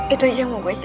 itu aja yang gue inget